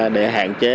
để hạn chế